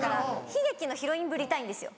悲劇のヒロインぶりたいんですよ。